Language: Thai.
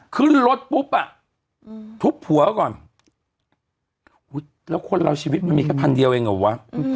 ขึ้นรถปุ๊บอ่ะทุบหัวก่อนแล้วคนเราชีวิตมันมีแค่พันเดียวเองเหรอวะ